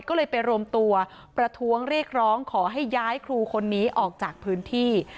ก็เลยไปรวมตัวประท้วงเรียกร้องขอให้ย้ายครูคนนี้ออกจากพื้นที่